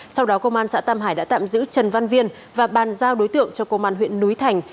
sau đó công an xã tam hải đã tạm giữ trần văn viên và bàn giao đối tượng cho công an huyện núi thành